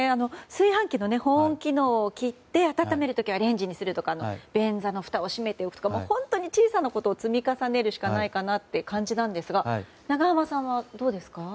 炊飯器の保温機能を切って温める時はレンジにするとか便座のふたを閉めておくとか本当に小さなことを積み重ねていくしかないかなという感じなんですが永濱さんはどうですか？